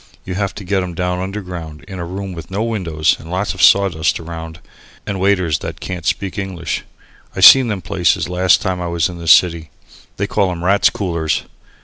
You have to get 'em down underground in a room with no windows and lots of sawdust round and waiters that can't speak English. I seen them places last time I was in the city. They call 'em Rats' Coolers.